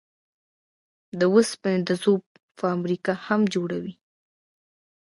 د اوسپنې د ذوب فابريکې هم جوړوي.